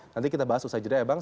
nanti kita bahas usai jeda ya bang